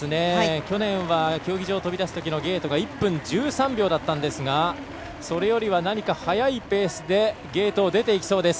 去年は競技場を飛び出すときのゲートが１分１３秒だったんですがそれよりは速いペースでゲートを出ていきます。